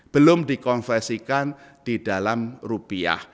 belum dikonversikan di dalam rupiah